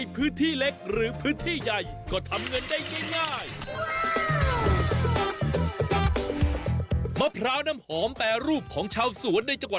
โปรดติดตามตอนต่อไป